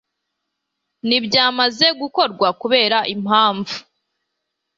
n ibyamaze gukorwa kubera impamvu